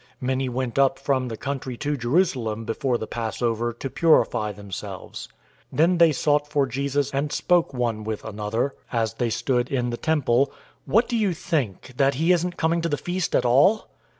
Many went up from the country to Jerusalem before the Passover, to purify themselves. 011:056 Then they sought for Jesus and spoke one with another, as they stood in the temple, "What do you think that he isn't coming to the feast at all?"